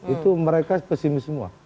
itu mereka pesimis semua